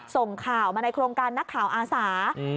ส่งข่าวมาในโครงการนักข่าวอาสา